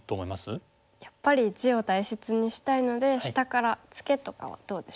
やっぱり地を大切にしたいので下からツケとかはどうでしょうか？